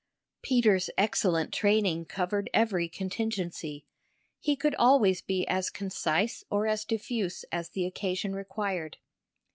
Peter's excellent training covered every contingency: he could always be as concise or as diffuse as the occasion required.